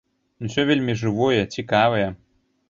Усё вельмі жывое, цікавае.